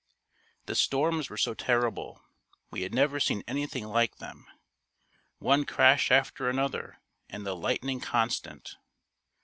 The storms were so terrible. We had never seen anything like them. One crash after another and the lightning constant.